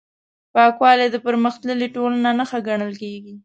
پاکوالی د پرمختللې ټولنې نښه ګڼل کېږي.